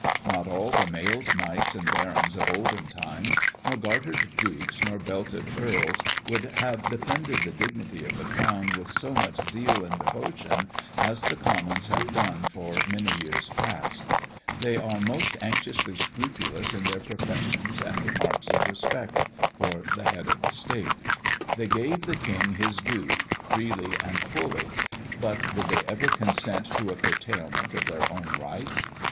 Not all the mailed knights and barons of olden times, nor gartered Dukes nor belted Earls, would have defended the dignity of the crown with so much zeal and devotion as the Commons have done for many years past. They are most anxiously scrupulous in their professions and marks of respect for the head of the state. They gave the king his due, freely and fully. But did they ever consent to a curtailment of their own rights?